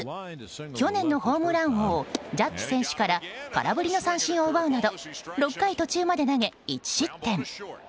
去年のホームラン王ジャッジ選手から空振りの三振を奪うなど６回途中まで投げ１失点。